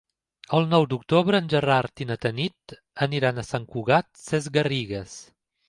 El nou d'octubre en Gerard i na Tanit aniran a Sant Cugat Sesgarrigues.